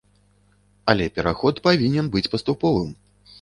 Але пераход павінен быць паступовым.